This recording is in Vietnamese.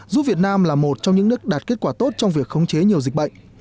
giúp việt nam là một trong những nước đạt kết quả tốt trong việc khống chế nhiều dịch bệnh